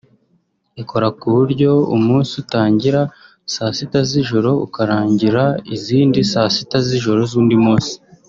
ikora ku buryo umunsi utangira saa sita z’ijoro ukarangira izindi saa sita z’ijoro z’undi munsi